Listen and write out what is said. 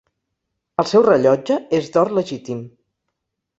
El seu rellotge és d'or legítim.